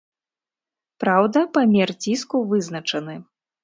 Праўда, памер ціску вызначаны.